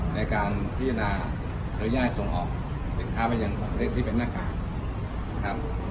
ในการพิจารณาหรือย่ายส่งออกจิตค้ามาจังหรือผลิตที่เป็นหน้ากาก